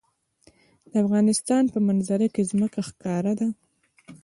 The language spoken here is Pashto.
د افغانستان په منظره کې ځمکه ښکاره ده.